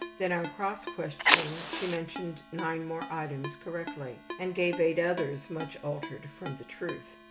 Then on cross questioning she mentioned 9 more items correctly, and gave 8 others much altered from the truth.